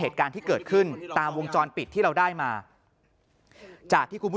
เหตุการณ์ที่เกิดขึ้นตามวงจรปิดที่เราได้มาจากที่คุณผู้ชม